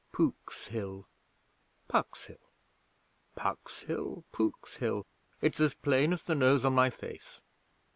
Pook's Hill Puck's Hill Puck's Hill Pook's Hill! It's as plain as the nose on my face.'